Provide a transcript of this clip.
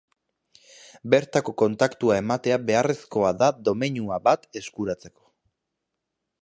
Bertako kontaktua ematea beharrezkoa da domeinua bat eskuratzeko.